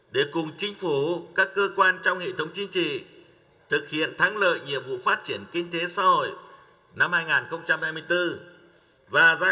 để cùng chính phủ các cơ quan trong hệ thống chính trị thực hiện thắng lợi nhiệm vụ phát triển kinh tế xã hội